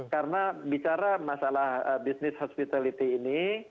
karena bicara masalah bisnis hospitality ini